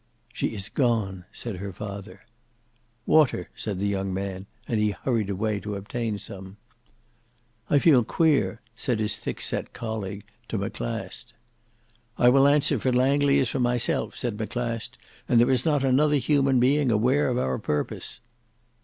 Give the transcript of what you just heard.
"She is gone," said her father. "Water," said the young man, and he hurried away to obtain some. "I feel queer," said his thickset colleague to Maclast. "I will answer for Langley as for myself." said Maclast; "and there is not another human being aware of our purpose."